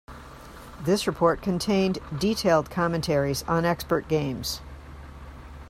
This report contained detailed commentaries on expert games.